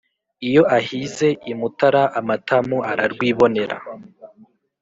Iyo ahize i Mutara amatamu ararwibonera